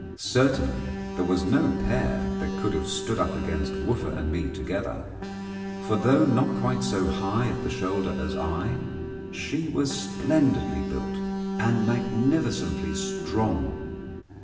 Certainly there was no pair that could have stood up against Wooffa and me together; for though not quite so high at the shoulder as I, she was splendidly built and magnificently strong.